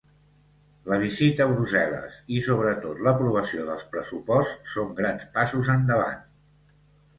La visita a Brussel·les i, sobretot, l’aprovació del pressupost són grans passos endavant.